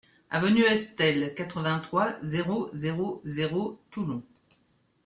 Avenue Estelle, quatre-vingt-trois, zéro zéro zéro Toulon